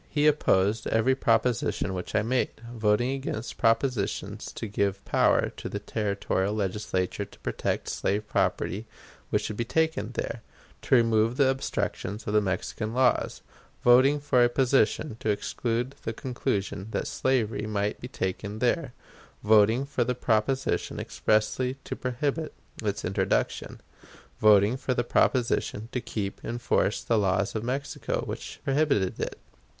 He opposed every proposition which I made, voting against propositions to give power to a Territorial Legislature to protect slave property which should be taken there; to remove the obstructions of the Mexican laws; voting for a proposition to exclude the conclusion that slavery might be taken there; voting for the proposition expressly to prohibit its introduction; voting for the proposition to keep in force the laws of Mexico which prohibited it.